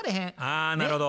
あなるほど。